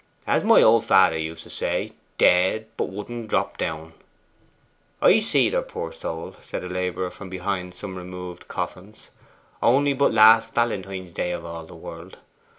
'As my old father used to say, "dead, but wouldn't drop down."' 'I seed her, poor soul,' said a labourer from behind some removed coffins, 'only but last Valentine's day of all the world.